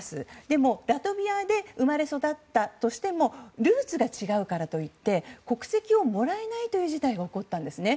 でも、ラトビアで生まれ育ったとしてもルーツが違うからといって国籍をもらえない事態が起こったんですね。